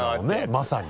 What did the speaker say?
まさに。